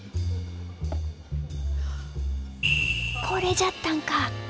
これじゃったんか！